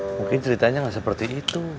mungkin ceritanya nggak seperti itu